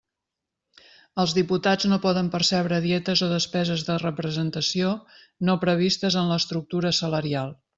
Els diputats no poden percebre dietes o despeses de representació no previstes en l'estructura salarial.